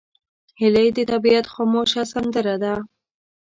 هیلۍ د طبیعت خاموشه سندره ده